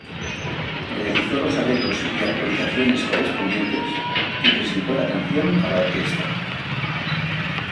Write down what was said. Realizó los arreglos y actualizaciones correspondientes, y presentó la canción a la orquesta.